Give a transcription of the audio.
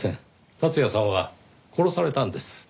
達也さんは殺されたんです。